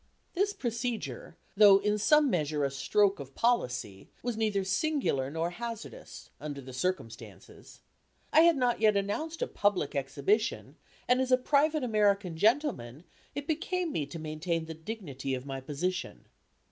This procedure, though in some measure a stroke of policy, was neither singular nor hazardous, under the circumstances. I had not yet announced a public exhibition, and as a private American gentleman, it became me to maintain the dignity of my position.